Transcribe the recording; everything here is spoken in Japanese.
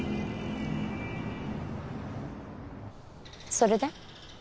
それで？